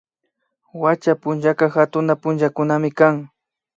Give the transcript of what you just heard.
Wacha punllaka hatuna punllakunamikan